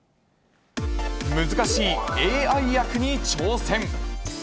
難しいＡＩ役に挑戦。